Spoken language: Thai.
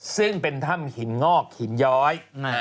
ซึ่งเป็นถ้ำหินงอกหินย้อย